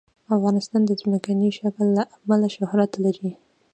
افغانستان د ځمکنی شکل له امله شهرت لري.